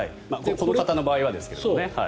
この方の場合はですけどね。